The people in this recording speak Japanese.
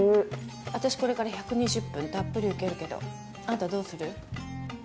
私これから１２０分たっぷり受けるけどあんたどうする？